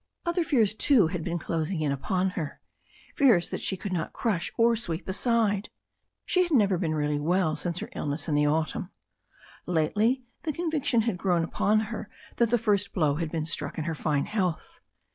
Other fears, too, had been closing in upon her, fears that she could not crush or sweep aside. She had never been really well since her illness in the autumn. Lately the con viction had grown upon her that the first blow had been struck at her fine health.